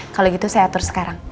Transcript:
kalau gitu saya atur sekarang